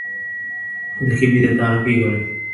দেখি বিধাতা আরো কী করেন।